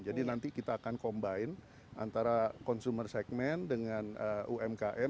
jadi nanti kita akan combine antara consumer segmen dengan umkm